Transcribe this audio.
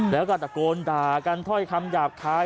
แล้วก็ตะโกนด่ากันถ้อยคำหยาบคาย